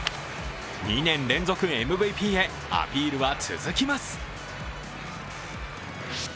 ２年連続ＭＶＰへアピールは続きます。